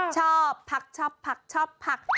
ชอบผักชอบผักชอบผัก